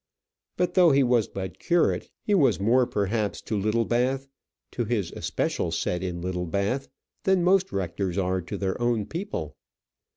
But though he was but curate, he was more perhaps to Littlebath to his especial set in Littlebath than most rectors are to their own people.